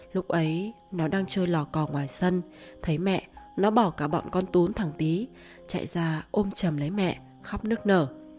lúc ấy nó đang chơi lò cò ngoài sân thấy mẹ nó bỏ cả bọn con tún thẳng tí chạy ra ôm chầm lấy mẹ khóc nước nở